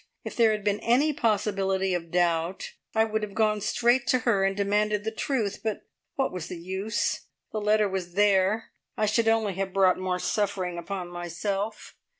If there had been any possibility of doubt I would have gone straight to her, and demanded the truth, but what was the use? The letter was there. I should only have brought more suffering upon myself.